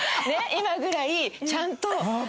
今ぐらいちゃんと。